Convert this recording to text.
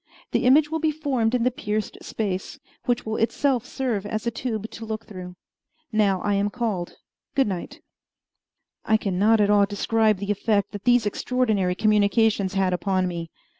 The image will be formed in the pierced space, which will itself serve as a tube to look through. Now I am called. Good night. I can not at all describe the effect that these extraordinary communications had upon me.